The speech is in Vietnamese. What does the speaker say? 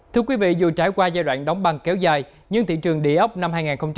thưa quý vị dù trải qua giai đoạn đóng băng kéo dài nhưng thị trường đề ốc năm hai nghìn hai mươi bốn